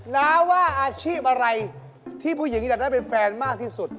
น้าว่าอาชีพอะไรที่ผู้หญิงจะได้เป็นแฟนมากที่สุด